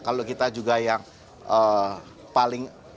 kalau kita juga yang paling